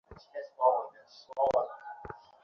ক্রিস্টালিক fusion খুবই ভারসাম্যহীন।